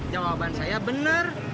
jawaban saya bener